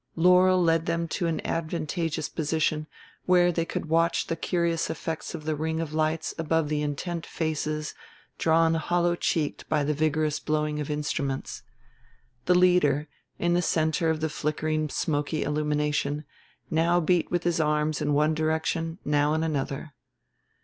Laurel led them to an advantageous position, where they could watch the curious effects of the ring of lights above intent faces drawn hollow cheeked by the vigorous blowing of instruments. The leader, in the center of the flickering smoky illumination, now beat with his arms in one direction, now in another.